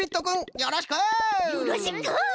よろしく。